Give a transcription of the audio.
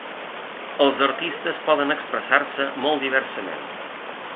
Els artistes poden expressar-se molt diversament.